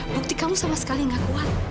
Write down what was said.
bukti kamu sama sekali gak kuat